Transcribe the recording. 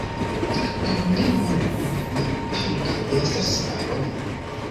Por mia mono mi ankaŭ estas barono.